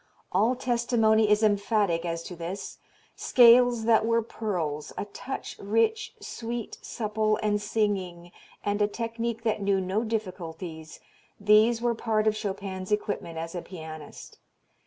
All testimony is emphatic as to this. Scales that were pearls, a touch rich, sweet, supple and singing and a technique that knew no difficulties, these were part of Chopin's equipment as a pianist.